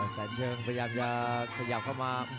แสนเชิงพยายามจะขยับเข้ามา